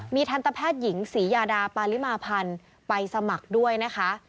ทันตแพทย์หญิงศรียาดาปาลิมาพันธ์ไปสมัครด้วยนะคะ